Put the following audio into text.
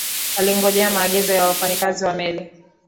alingojea maagizo ya wafanyikazi wa meli